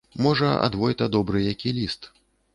Можа, ад войта добры які ліст.